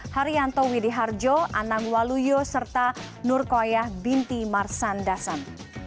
haryanto widiharjo anang waluyo serta nur koyah binti marsan dasan